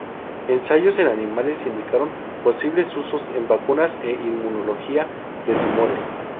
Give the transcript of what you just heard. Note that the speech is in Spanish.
Ensayos en animales indicaron posibles usos en vacunas e inmunología de tumores.